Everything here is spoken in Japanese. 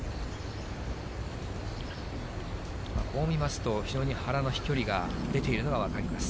こう見ますと、非常に原の飛距離が出ているのが分かります。